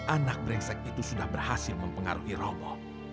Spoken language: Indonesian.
anak brengsek itu sudah berhasil mempengaruhi romo